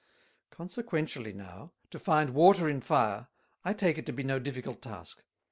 Consequentially now, to find Water in Fire; I take it to be no difficult Task.